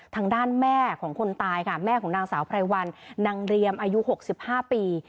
ทางด้านแม่ของคนตายค่ะแม่ของนางสาวไพรวันนางเรียมอายุ๖๕ปี